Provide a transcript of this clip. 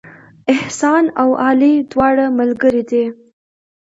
احسان او علي دواړه ملګري دي